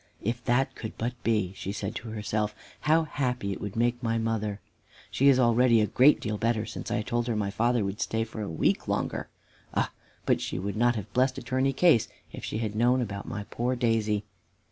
"If that could but be," she said to herself, "how happy it would make my mother! She is already a great deal better since I told her my father would stay for a week longer. Ah! but she would not have blessed Attorney Case, if she had known about my poor Daisy."